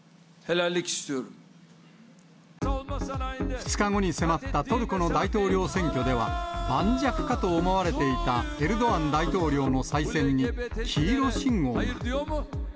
２日後に迫ったトルコの大統領選挙では、盤石かと思われていたエルドアン大統領の再選に、黄色信号が。